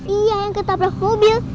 iya yang ketabrak mobil